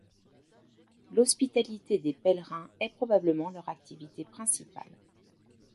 L’hospitalité des pèlerins est probablement leur activité principale.